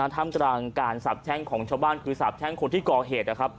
ทำกลางการสาปแท่งของชาวบ้านคือสาปแท่งคนที่ก่อเหตุ